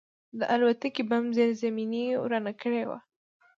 د الوتکې بم زیرزمیني ورانه کړې وه